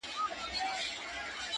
• نورو ته مي شا کړې ده تاته مخامخ یمه،